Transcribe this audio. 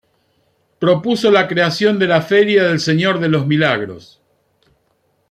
Propuso la creación de la Feria del Señor de los Milagros.